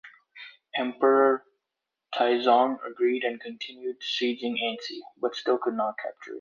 Emperor Taizong agreed and continued sieging Ansi, but still could not capture it.